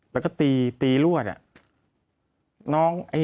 แล้วก็ตีรวดอะ